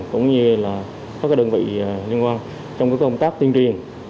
cũng như là các đơn vị liên quan trong công tác tuyên truyền